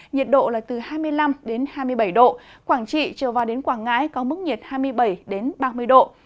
nhiệt độ là từ hai mươi năm hai mươi bảy độ quảng trị trở vào đến quảng ngãi có mức nhiệt hai mươi bảy ba mươi độ